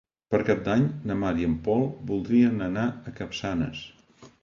Per Cap d'Any na Mar i en Pol voldrien anar a Capçanes.